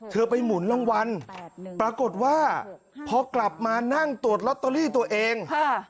ไปหมุนรางวัลปรากฏว่าพอกลับมานั่งตรวจลอตเตอรี่ตัวเอง